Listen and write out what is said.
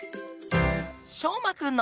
しょうまくんの。